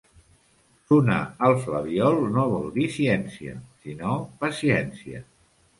Sonar el flabiol no vol dir ciència, sinó paciència.